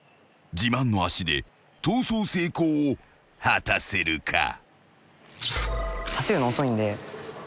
［自慢の足で逃走成功を果たせるか？］